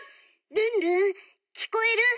「ルンルンきこえる？」。